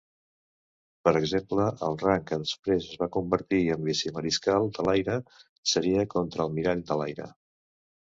Per exemple, el rang que després es va convertir en vicemariscal de l'aire seria contraalmirall de l'aire.